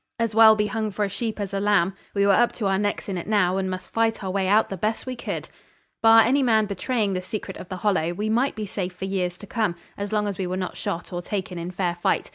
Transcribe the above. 'As well be hung for a sheep as a lamb.' We were up to our necks in it now, and must fight our way out the best way we could. Bar any man betraying the secret of the Hollow we might be safe for years to come, as long as we were not shot or taken in fair fight.